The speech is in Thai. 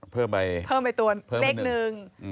เพิ่มไปตัวเลขหนึ่ง